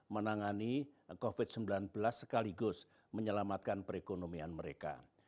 menangani covid sembilan belas sekaligus menyelamatkan perekonomian mereka